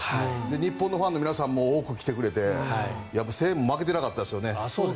日本のファンの皆さんも多く来てくれて声援も負けてなかったですよね。